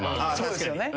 そうですよね。